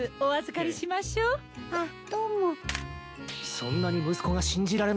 そんなに息子が信じられないのかい？